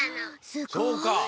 そうか。